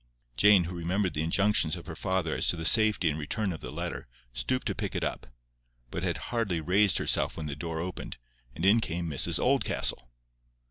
Jane, who remembered the injunctions of her father as to the safety and return of the letter, stooped to pick it up: but had hardly raised herself when the door opened, and in came Mrs Oldcastle.